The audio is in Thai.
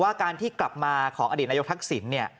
ว่าการที่กลับมาของอดีตนายกทักศิลป์เนี่ย